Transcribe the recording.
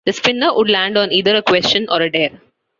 The spinner would land on either a question or a "dare".